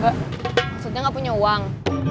maksudnya gak punya uang